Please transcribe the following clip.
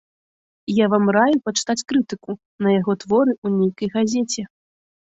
Я вам раю пачытаць крытыку на яго творы ў нейкай газеце.